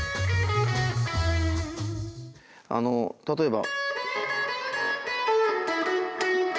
あの例えば。